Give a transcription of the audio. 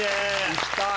行きたい！